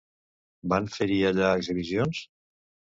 Van fer-hi allà exhibicions?